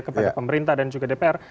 kepada pemerintah dan juga dpr